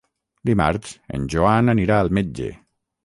Dimarts en Joan anirà al metge.